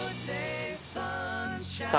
．さあ